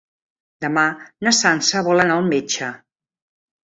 Demà na Sança vol anar al metge.